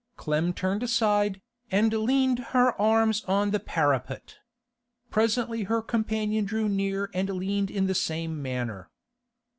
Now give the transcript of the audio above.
Clem turned aside, and leaned her arms on the parapet. Presently her companion drew near and leaned in the same manner.